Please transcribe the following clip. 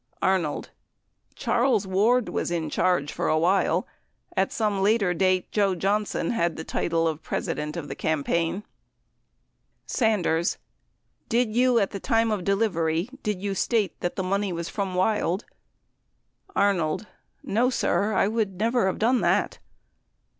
Arnold. Charles Ward was in charge for a while. At some later date, Joe Johnson had the title of President of the cam paign. ...Sanders. Did you at the time of delivery, did you state that the money was from Wild ? Arnold. No, sir, I would never have done that.